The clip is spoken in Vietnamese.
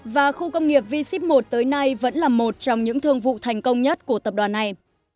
và khu công nghiệp v ship một tới nay vẫn là một trong những thương vụ thành công nhất của tập đoàn này